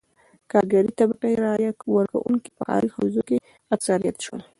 کارګرې طبقې رایه ورکوونکي په ښاري حوزو کې اکثریت شول.